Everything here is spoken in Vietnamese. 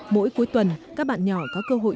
mỗi cuối tuần các bạn nhỏ có cơ hội